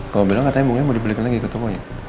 kalau bilang katanya mungnya mau dibelikan lagi ke tokonya